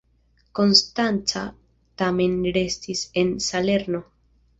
Konstanca tamen restis en Salerno.